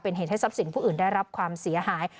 เป็นเหตุให้ทรัพย์สินผู้อื่นได้รับความเสียหาย